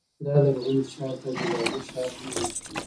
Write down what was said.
دا لرغونی ښار ته ګلابي ښار هم ویل کېږي.